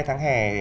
hai tháng hè